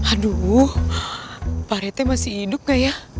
aduh parete masih hidup gak ya